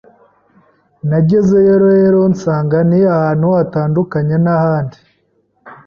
nagezeyo rero nsanga ni ahantu hatandukanye n’ahandi